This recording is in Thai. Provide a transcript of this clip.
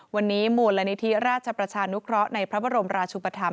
วันนี้มูลนิธิราชประชานุเคราะห์ในพระบรมราชุปธรรม